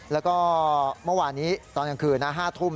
แล้วก็เมื่อวานนี้ตอนกลางคืนนะ๕ทุ่ม